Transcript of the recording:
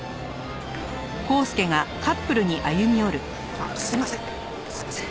あっすいませんすいません。